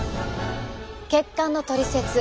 血管のトリセツ